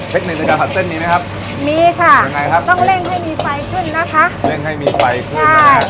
เทคนิคในการผัดเส้นนี้นะครับ